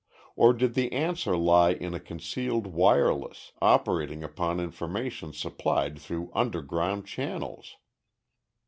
Or did the answer lie in a concealed wireless, operating upon information supplied through underground channels?